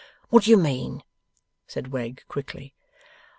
'What do you mean?' said Wegg, quickly.